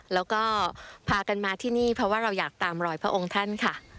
แล้วก็พากันมาที่นี่เพราะว่าเราอยากตามรอยพระองค์ท่านค่ะ